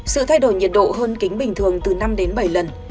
sự thay đổi nhiệt độ hơn kính bình thường từ năm đến bảy lần